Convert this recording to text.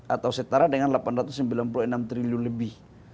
atau setara dengan delapan ratus sembilan puluh enam triliun lebih